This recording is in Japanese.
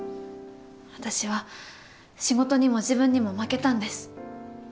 私は仕事にも自分にも負けたんです。